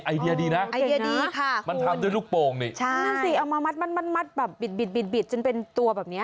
ไอเดียดีนะมันทำด้วยลูกโป่งนี่ใช่เอามามัดแบบบิดจนเป็นตัวแบบนี้